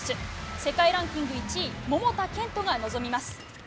世界ランク１位桃田賢斗が臨みます。